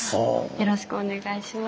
よろしくお願いします。